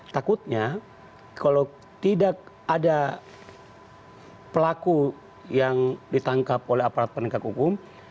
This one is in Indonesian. takutnya kalau tidak ada pelaku yang ditangkap oleh aparat penegak hukum